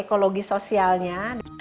ini ekologi sosialnya